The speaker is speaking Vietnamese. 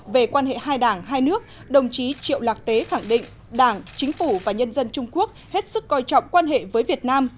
về quan hệ hai đảng hai nước đồng chí triệu lạc tế khẳng định đảng chính phủ và nhân dân trung quốc hết sức coi trọng quan hệ với việt nam